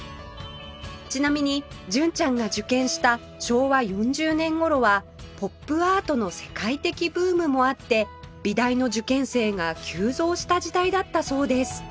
ちなみに純ちゃんが受験した昭和４０年頃はポップアートの世界的ブームもあって美大の受験生が急増した時代だったそうです